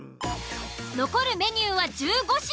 残るメニューは１５品。